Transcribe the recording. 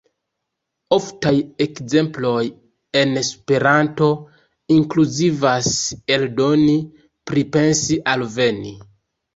Oftaj ekzemploj en Esperanto inkluzivas "eldoni", "pripensi", "alveni".